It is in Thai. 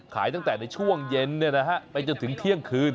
ขายตั้งแต่ในช่วงเย็นไปจนถึงเที่ยงคืน